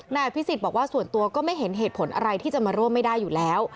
นายอภิษฎบอกว่าส่วนตัวก็ไม่เห็นเหตุผลอะไรที่จะมาร่วมไม่ได้อยู่แล้ว